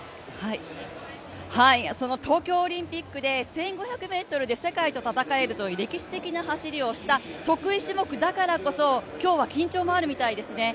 東京オリンピックで１５００ｍで世界と戦えるという歴史的な走りをした得意種目だからこそ今日は緊張もあるみたいですね。